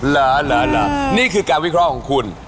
ล้านนี่คือการวิเคราะห์ของคุณ